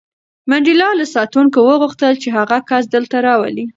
منډېلا له ساتونکي وغوښتل چې هغه کس دلته راولي.